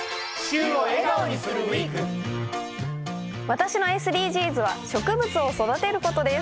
私のＳＤＧｓは植物を育てることです。